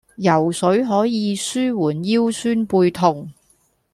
游水可以舒緩腰酸背痛